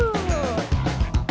eh ini dia